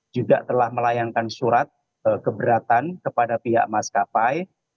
juga telah melayangkan surat keberatan kepada pihak maskapai